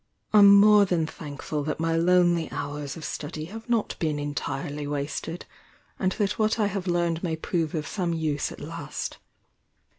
I'm more than thankful that my lonely hours of study have not been entirely wasted, and that what I have learned may prove of some use at last.